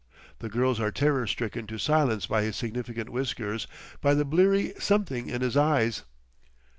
The girls are terror stricken to silence by his significant whiskers, by the bleary something in his eyes."